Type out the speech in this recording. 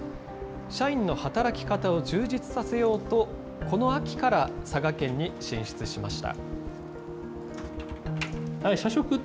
社員の働き方を充実させようと、この秋から佐賀県に進出しました。